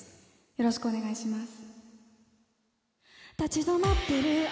よろしくお願いします。